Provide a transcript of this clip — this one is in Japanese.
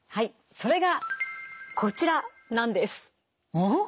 それがこちらなんです。